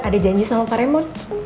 ada janji sama pak remon